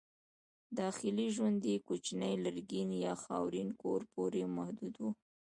داخلي ژوند یې کوچني لرګین یا خاورین کور پورې محدود و.